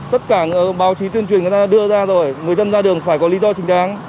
tất cả báo chí tuyên truyền người ta đưa ra rồi người dân ra đường phải có lý do chính đáng